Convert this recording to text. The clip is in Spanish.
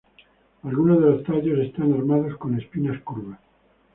Algunos de los tallos están armados con espinas curvas.